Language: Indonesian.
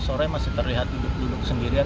sore masih terlihat duduk duduk sendirian